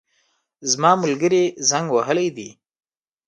زما ملګري زنګ وهلی دی